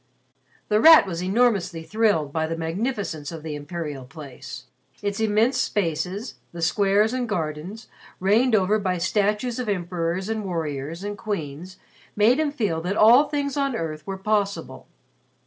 The Rat was enormously thrilled by the magnificence of the imperial place. Its immense spaces, the squares and gardens, reigned over by statues of emperors, and warriors, and queens made him feel that all things on earth were possible.